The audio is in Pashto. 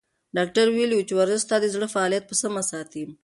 ډاکتر ویلي وو چې ورزش ستا د زړه فعالیت په سمه ساتي.